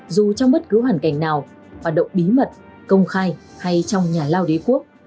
dù trong bất cứ hoàn cảnh nào hoạt động bí mật công khai hay trong nhà lao đế quốc